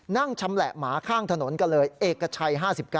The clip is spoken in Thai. ชำแหละหมาข้างถนนกันเลยเอกชัย๕๙